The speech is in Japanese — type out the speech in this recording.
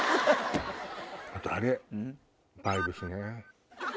あとあれバイブスね。